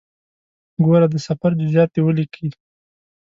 ګوره د سفر جزئیات دې ولیکې.